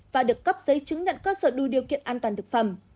và được cấp giấy chứng nhận cơ sở đủ điều kiện an toàn thực phẩm